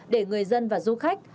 để người dân và du khách